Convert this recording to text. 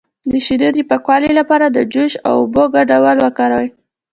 د شیدو د پاکوالي لپاره د جوش او اوبو ګډول وکاروئ